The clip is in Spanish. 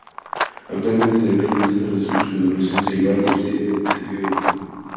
Actualmente es Director del Centro de Estudios Fundación Ceibal y reside en Montevideo, Uruguay.